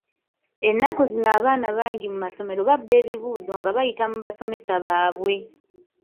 Ennaku zino abaana bangi mu masomero babba ebibuuzo nga bayita mu basomesa baabwe.